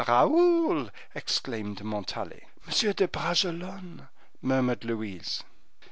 "Raoul!" exclaimed Montalais. "M. de Bragelonne!" murmured Louise.